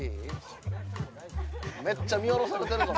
めっちゃ見下ろされてるぞ